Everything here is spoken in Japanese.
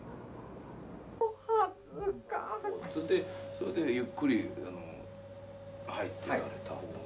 それでゆっくりあの入っていかれた方が。